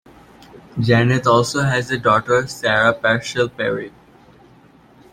Janet also has a daughter, Sarah Parshall Perry.